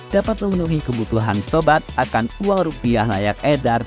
dapat memenuhi kebutuhan sobat akan uang rupiah layak edar